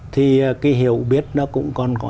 thì cái hiểu biết nó cũng còn có